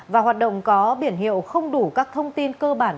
và hoạt động có biển hiệu không đủ các thông tin cơ bản